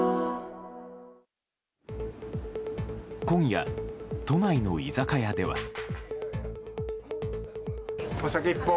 今夜、都内の居酒屋では。